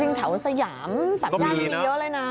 จริงแถวสยามสำญาไม่มีเยอะเลยนะ